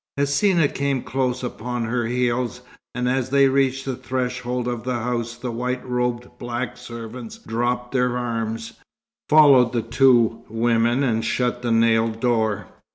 Hsina came close upon her heels; and as they reached the threshold of the house the white robed black servants dropped their arms, followed the two women, and shut the nailed door.